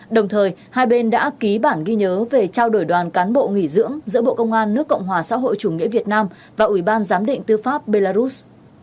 đồng thời hai bên đã ký bản ghi nhớ về trao đổi đoàn cán bộ nghỉ dưỡng giữa bộ công an nước cộng hòa xã hội chủ nghĩa việt nam và ủy ban giám định tư pháp belarus